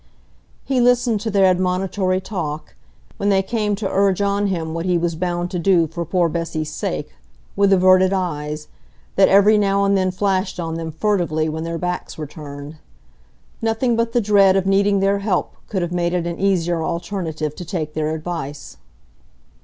He listened to their admonitory talk, when they came to urge on him what he was bound to do for poor Bessy's sake, with averted eyes, that every now and then flashed on them furtively when their backs were turned. Nothing but the dread of needing their help could have made it an easier alternative to take their advice.